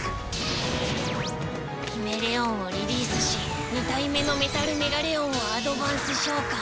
ヒメレオンをリリースし２体目のメタル・メガレオンをアドバンス召喚。